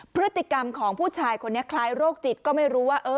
พฤติกรรมของผู้ชายคนนี้คล้ายโรคจิตก็ไม่รู้ว่า